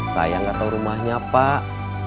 saya nggak tahu rumahnya pak